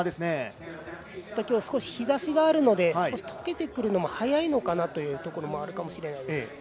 きょう、少し日差しがあるので溶けてくるのが早いのかなというところもあるかもしれないです。